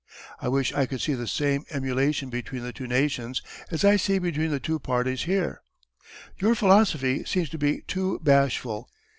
I wish I could see the same Emulation between the two Nations as I see between the two Parties here. Your Philosophy seems to be too bashful.